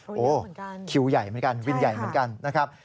โอ้โหคิวใหญ่เหมือนกันวินใหญ่เหมือนกันนะครับ